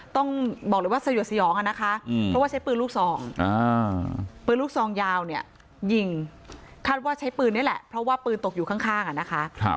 ต้องบอกเลยว่าสยดสยองอ่ะนะคะเพราะว่าใช้ปืนลูกซองปืนลูกซองยาวเนี่ยยิงคาดว่าใช้ปืนนี่แหละเพราะว่าปืนตกอยู่ข้างอ่ะนะคะ